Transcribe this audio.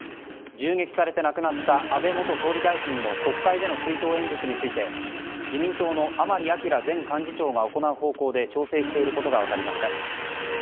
銃撃されて亡くなった安倍元総理大臣の国会での追悼演説について、自民党の甘利明前会長が行う方向で調整していることが分かりました。